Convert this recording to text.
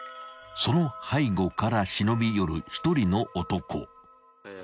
［その背後から忍び寄る１人の男］